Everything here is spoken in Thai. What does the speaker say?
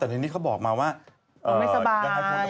แต่ทีนี้เขาบอกมาว่าเมื่อก่อนตะกรม